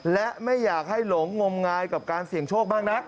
และไม่อยากให้หลงงมงายกับการเสี่ยงโชคมากนัก